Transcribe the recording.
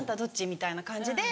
みたいな感じで。